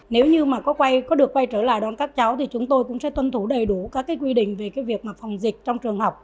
nếu như có được quay trở lại đón các cháu thì chúng tôi cũng sẽ tuân thủ đầy đủ các quy định về việc phòng dịch trong trường học